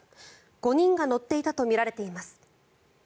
５人が乗っていたとみられています。